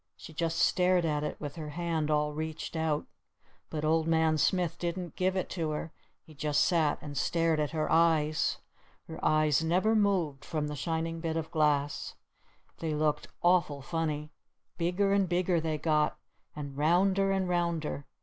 She just stared at it with her hand all reached out. But Old Man Smith didn't give it to her. He just sat and stared at her eyes. Her eyes never moved from the shining bit of glass. They looked awful funny. Bigger and bigger they got! And rounder and rounder!